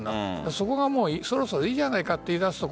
そこがそろそろいいじゃないかと言い出すと。